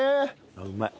あっうまい。